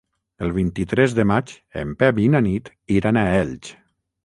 El vint-i-tres de maig en Pep i na Nit iran a Elx.